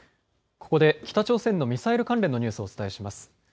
ここで北朝鮮のミサイル関連のニュースをお伝えします。